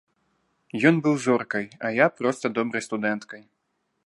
Ён быў зоркай, а я проста добрай студэнткай.